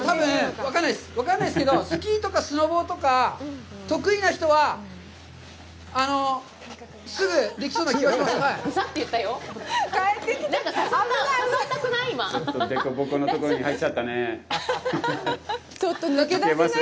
分かんないですけど、スキーとかスノボとか得意な人はすぐできそうな気がします、はい。